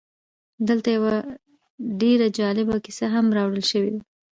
دلته یوه ډېره جالبه کیسه هم راوړل شوې ده